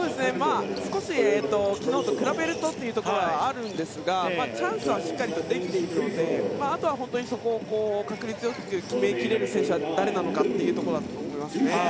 少し昨日と比べるとというところはあるんですがチャンスはしっかりとできているのであとはそこを確率よく決め切れる選手は誰なのかというところだと思います。